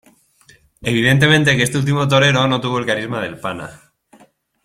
Evidentemente que este último torero no tuvo el carisma del Pana.